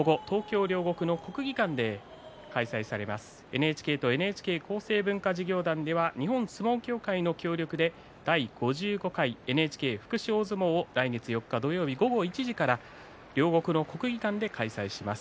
ＮＨＫとＮＨＫ厚生文化事業団では日本相撲協会の協力で第５５回ＮＨＫ福祉大相撲を来月４日土曜日午後１時から両国の国技館で開催します。